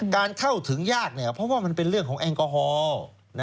เข้าถึงยากเพราะว่ามันเป็นเรื่องของแอลกอฮอล์